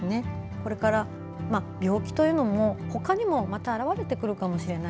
これから病気というのも他にもまた現れてくるかもしれない。